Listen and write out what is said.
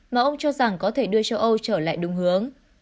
mà ông cho rằng có thể đưa châu âu trở lại đúng hướng